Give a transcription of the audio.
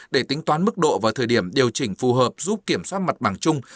để tính toán mức độ và thời điểm điều chỉnh phù hợp giúp kiểm soát mặt bằng chung